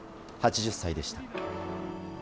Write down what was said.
８０歳でした。